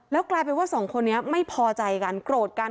กลายเป็นว่าสองคนนี้ไม่พอใจกันโกรธกัน